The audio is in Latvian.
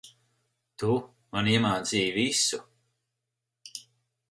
Tu, man iemācīji visu.